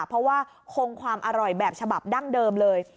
เพราะว่าคงความอร่อยแบบฉบับดั้งเดิมเลย